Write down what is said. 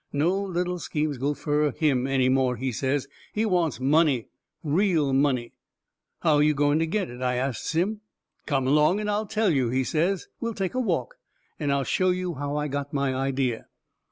No little schemes go fur him any more, he says. He wants money. Real money. "How you going to get it?" I asts him. "Come along and I'll tell you," he says. "We'll take a walk, and I'll show you how I got my idea."